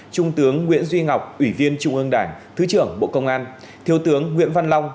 trung tướng nguyễn duy ngọc ủy viên trung ương đảng thứ trưởng bộ công an thiếu tướng nguyễn văn long